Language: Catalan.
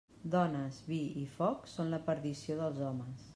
Dones, vi i foc són la perdició dels homes.